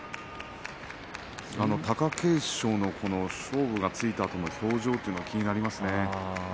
貴景勝の勝負がついたあとの表情が気になりますね。